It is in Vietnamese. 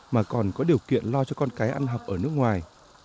mà còn có điều kiện lo cho con cái ăn học ở nước ngoài